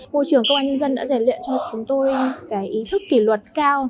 môi trường công an nhân dân đã giải luyện cho chúng tôi ý thức kỷ luật cao